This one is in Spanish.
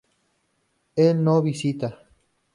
Él no visita